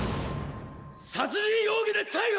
殺人容疑で逮捕！